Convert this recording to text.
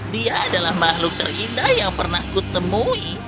dia adalah makhluk terindah yang pernah kutemui